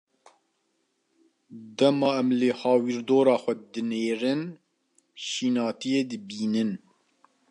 Dema em li hawîrdora xwe dinêrin şînatiyê dibînin.